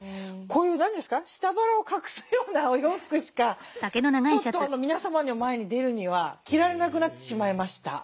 こういう何ですか下腹を隠すようなお洋服しかちょっと皆様の前に出るには着られなくなってしまいました。